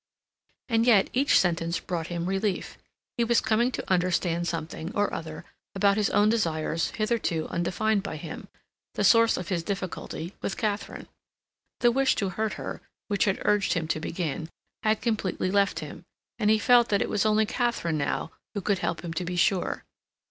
And yet each sentence brought him relief. He was coming to understand something or other about his own desires hitherto undefined by him, the source of his difficulty with Katharine. The wish to hurt her, which had urged him to begin, had completely left him, and he felt that it was only Katharine now who could help him to be sure.